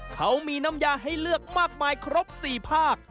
เขามีน้ำยาให้เลือกมากมายครบ๔ภาค